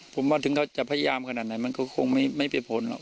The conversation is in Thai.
ผมว่าถึงเขาจะพยายามขนาดไหนมันก็คงไม่เป็นผลหรอก